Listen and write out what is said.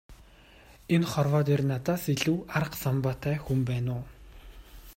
Энэ хорвоо дээр надаас илүү арга самбаатай хүн байна уу?